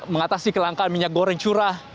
mengatasi kelangkaan minyak goreng curah